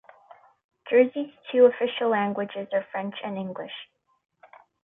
Jersey's two official languages are French and English.